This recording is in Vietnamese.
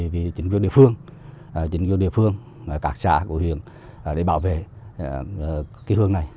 vì chính quyền địa phương chính quyền địa phương các xã của huyện để bảo vệ hương này